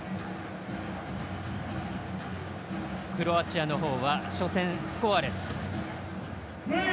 クロアチアのほうは初戦スコアレス。